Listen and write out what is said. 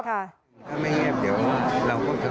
ถ้าไม่เฮียบเดี๋ยวเราควรจะ